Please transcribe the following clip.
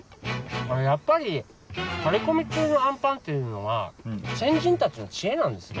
やっぱり張り込み中のあんぱんっていうのは先人たちの知恵なんですね。